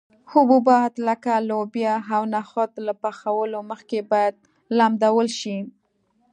حبوبات لکه لوبیا او نخود له پخولو مخکې باید لمدول شي.